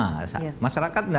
masyarakat tidak menolaknya